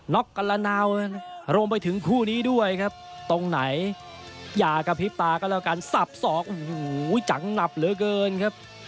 ็อกกันละนาวรวมไปถึงคู่นี้ด้วยครับตรงไหนอย่ากระพริบตาก็แล้วกันสับสอกโอ้โหจังหนับเหลือเกินครับ